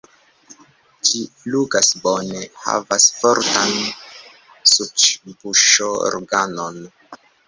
Ĝi flugas bone, havas fortan suĉ-buŝorganon.